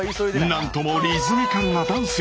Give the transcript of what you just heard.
何ともリズミカルなダンス！